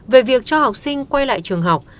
về việc cho học sinh quay lại trường học